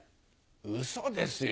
ウソですよ。